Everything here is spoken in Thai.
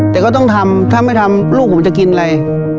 แต่ก็ต้องทำถ้าไม่ทำลูกผมจะกินอะไร